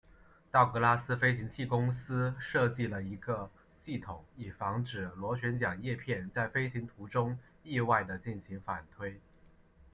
道格拉斯飞行器公司设计了一个系统以防止螺旋桨叶片在飞行途中意外地进行反推。